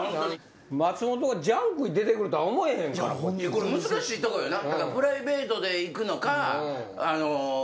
これ難しいとこやな。